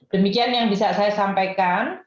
demikian yang bisa saya sampaikan